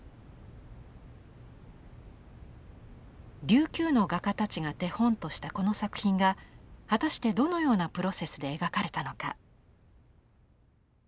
琉球の画家たちが手本としたこの作品が果たしてどのようなプロセスで描かれたのか。